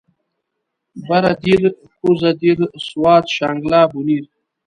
بره دير کوزه دير سوات شانګله بونير